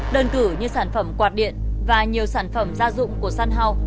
đơn cử như sản phẩm quạt điện và nhiều sản phẩm gia dụng của săn house